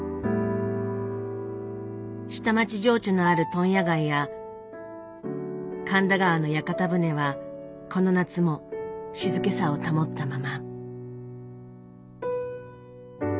下町情緒のある問屋街や神田川の屋形船はこの夏も静けさを保ったまま。